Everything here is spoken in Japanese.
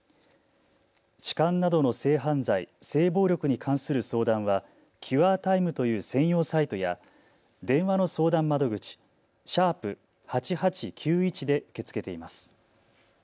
痴漢などの性犯罪・性暴力に関する相談はＣｕｒｅｔｉｍｅという専用サイトや電話の相談窓口＃８８９１で受け付けています。